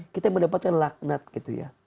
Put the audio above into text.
kita mendapatkan lagnat gitu ya